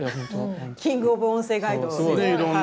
キング・オブ・音声ガイドですからはい。